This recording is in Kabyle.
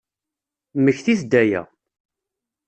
Mmektit-d aya!